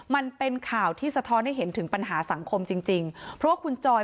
มันเป็นข่าวที่สะท้อนให้เห็นถึงปัญหาสังคมจริงจริงเพราะว่าคุณจอย